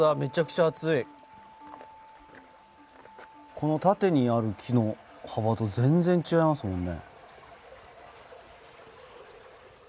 この縦にある木の幅と全然違いますもんね。